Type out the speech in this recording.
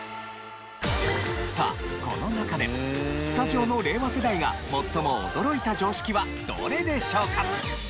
さあこの中でスタジオの令和世代が最も驚いた常識はどれでしょうか？